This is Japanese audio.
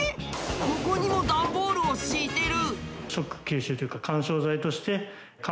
ここにも段ボールを敷いてる。